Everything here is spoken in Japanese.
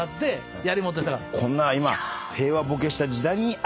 こんな今。